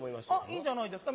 いいんじゃないですか？